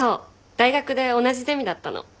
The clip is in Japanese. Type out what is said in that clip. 大学で同じゼミだったの。